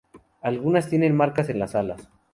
Algunas tienen marcas en las alas.